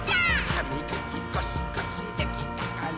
「はみがきゴシゴシできたかな？」